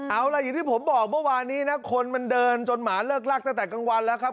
เอาล่ะอย่างที่ผมบอกเมื่อวานนี้นะคนมันเดินจนหมาเลิกลากตั้งแต่กลางวันแล้วครับ